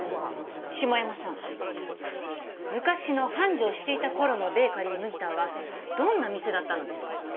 下山さん昔の繁盛していた頃のベーカリー麦田はどんな店だったのですか？